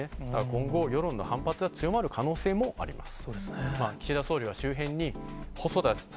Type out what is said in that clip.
今後、世論の反発が強まる可能性もあります。